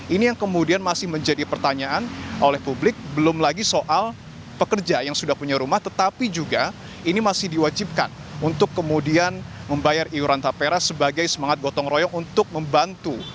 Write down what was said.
ini yang kemudian masih menjadi pertanyaan oleh publik belum lagi soal pekerja yang sudah punya rumah tetapi juga ini masih diwajibkan untuk kemudian membayar iuran tapera sebagai semangat gotong royong untuk membantu